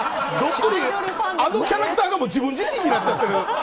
あのキャラクターが自分自身になっちゃってる。